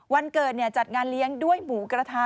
วันเกิดจัดงานเลี้ยงด้วยหมูกระทะ